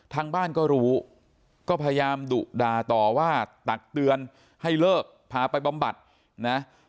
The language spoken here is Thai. ทางบ้านก็รู้ก็พยายามดุด่าต่อว่าตักเตือนให้เลิกพาไปบำบัดนะ